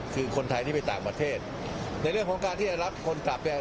คือคนไทยที่ไปต่างประเทศในเรื่องของการที่จะรับคนกลับเนี่ย